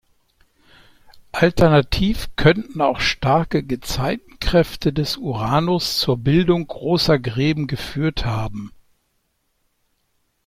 Alternativ könnten auch starke Gezeitenkräfte des Uranus zur Bildung großer Gräben geführt haben.